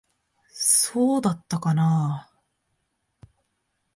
そうだったかなあ。